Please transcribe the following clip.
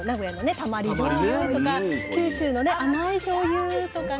たまりじょうゆとか九州のね甘いしょうゆとかね